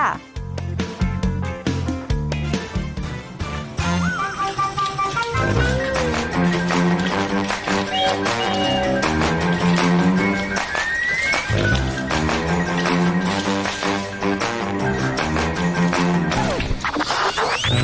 สวัสดีครับ